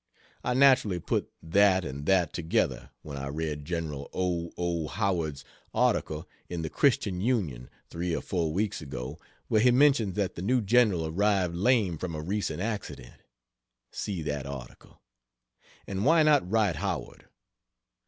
I naturally put "that and that together" when I read Gen. O. O. Howards's article in the Christian Union, three or four weeks ago where he mentions that the new General arrived lame from a recent accident. (See that article.) And why not write Howard?